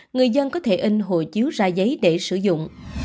người dân có thể in hồ chiếu ra giấy để sử dụng